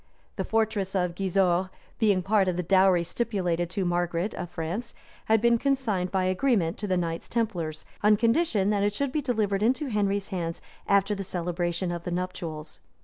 {1160.} The fortress of Gisors, being part of the dowry stipulated to Margaret of France, had been consigned by agreement to the knights templars, on condition that it should be delivered into Henry's hands after the celebration of the nuptials.